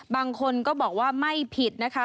บางคนก็บอกว่าไม่ผิดนะคะ